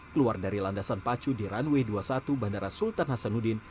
keluar dari landasan pacu di runway dua puluh satu bandara sultan hasanuddin